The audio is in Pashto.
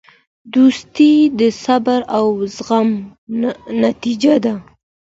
دوستي د صبر او زغم نتیجه ده.